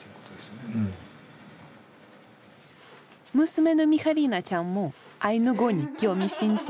娘のミハリナちゃんもアイヌ語に興味津々。